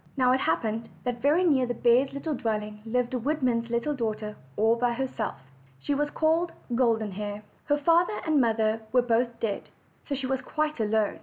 Now it happened that very near the bears' dwelling lived a woodman's little daughter, all by herself. She was called Golden Hair. Her father and mother were both dead, so she was quite alone.